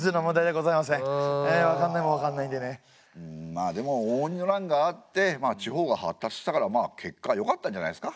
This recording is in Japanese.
まあでも応仁の乱があってまあ地方が発達したからまあ結果よかったんじゃないですか？